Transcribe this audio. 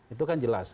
itu kan jelas